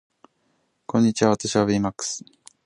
こんにちは私はベイマックス